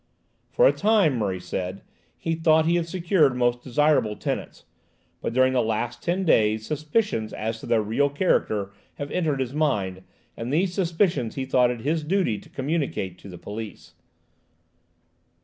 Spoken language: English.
For a time, Murray said, he thought he had secured most desirable tenants, but during the last ten days suspicions as to their real character have entered his mind, and these suspicions he thought it his duty to communicate to the police.